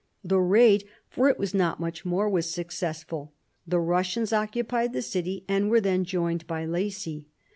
The raid, for it was not much more, was successful ; the Russians occupied the city, and were there joined by Lacy.